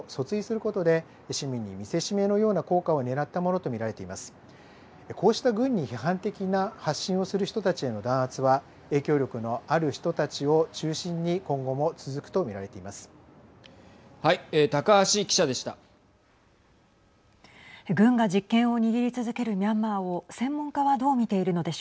こうした軍に批判的な発信をする人たちへの弾圧は影響力のある人たちを中心に今後も続くと見られています。